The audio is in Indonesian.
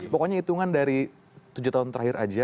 pokoknya hitungan dari tujuh tahun terakhir aja